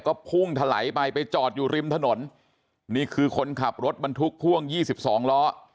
ก็พุ่งถลายไปไปจอดอยู่ริมถนนนี่คือคนขับรถบรรทุกพ่วง๒๒ล้อ